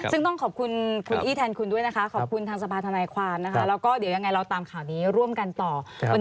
ซึ่งต้องขอบคุณคุณอี้แทนคุณด้วยนะครับ